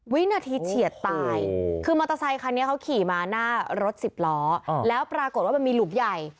วินาทีเฉียดตายคือมอเตอร์ไซคันนี้เขาขี่มาหน้ารถสิบล้อแล้วปรากฏว่ามันมีหลุมใหญ่